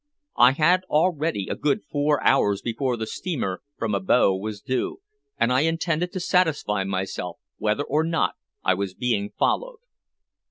I had already a good four hours before the steamer from Abo was due, and I intended to satisfy myself whether or not I was being followed.